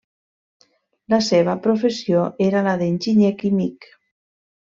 La seva professió era la d'enginyer químic.